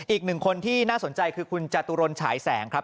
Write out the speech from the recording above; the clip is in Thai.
อีกหนึ่งคนที่น่าสนใจคือคุณจตุรนฉายแสงครับ